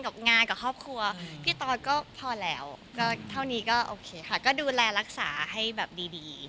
กับงานกับครอบครัวพี่ตอสก็พอแล้วก็เท่านี้ก็โอเคค่ะก็ดูแลรักษาให้แบบดี